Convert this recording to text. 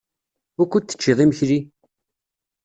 Wukud teččiḍ imekli?